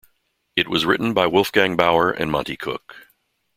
It was written by Wolfgang Baur and Monte Cook.